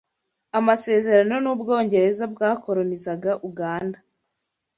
amasezerano n’u Bwongereza bwakolonizaga Uganda